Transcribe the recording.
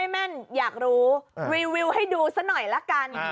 แม่นอยากรู้รีวิวให้ดูซะหน่อยละกัน